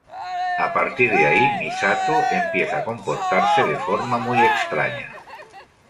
A partir de ahí Misato empieza a comportarse de forma muy extraña.